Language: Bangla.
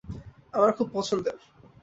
আমার খুব পছন্দের।